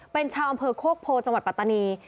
เป็นชาวอำเภอโคกโพจังหวัดปัตตานี